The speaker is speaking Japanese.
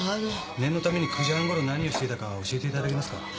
念のために９時半頃に何をしていたか教えていただけますか？